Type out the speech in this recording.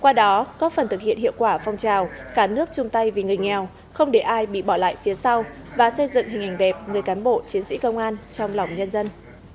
qua đó có phần thực hiện hiệu quả phong trào cả nước chung tay vì người nghèo không để ai bị bỏ lại phía sau và xây dựng hình ảnh đẹp người cán bộ chiến sĩ công an trong lòng nhân dân